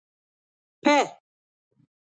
په